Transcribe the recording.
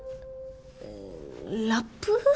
ラップ？